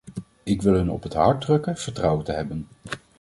Ik wil hun op het hart drukken vertrouwen te hebben.